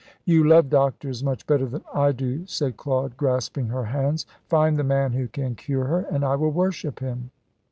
"You love doctors much better than I do," said Claude, grasping her hands. "Find the man who can cure her and I will worship him."